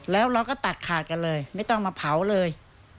แล้วเราก็ตัดขาดกันเลยไม่ต้องมาเผาเลย